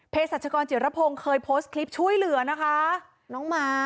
เพศสัชกรเจตรภงเคยโพสต์คลิปช่วยเหลือนะคะ